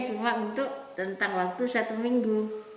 cuma untuk rentang waktu satu minggu